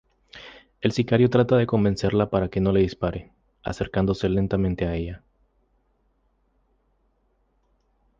El sicario trata de convencerla para que no le dispare, acercándose lentamente a ella.